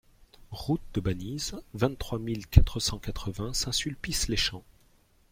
Route de Banize, vingt-trois mille quatre cent quatre-vingts Saint-Sulpice-les-Champs